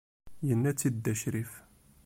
Yenna-tt-id dda Ccrif.